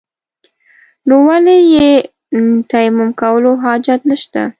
نو ولې يې تيمم کولو حاجت نشته.